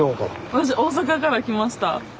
私大阪から来ました。